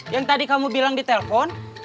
yang tadi kamu bilang di telpon